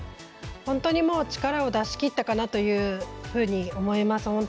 本当に力を出しきったかなというふうに思います。